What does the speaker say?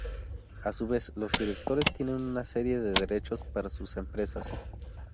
A su vez, los directores tienen una serie de derechos para sus empresas.